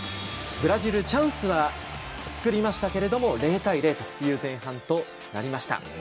ブラジルチャンスは作りましたけども０対０という前半になりました。